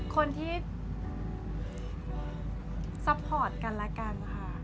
คนที่ซัพพอร์ตกันและกันค่ะ